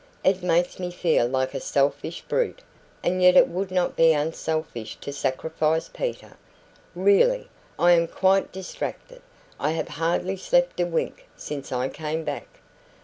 It makes me feel like a selfish brute; and yet it would not be unselfish to sacrifice Peter. Really, I am quite distracted. I have hardly slept a wink since I came back."